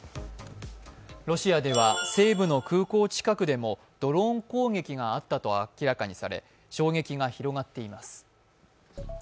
ロシアでは西部の空港近くでもドローン攻撃があったと明らかにされ、衝撃が広がっています。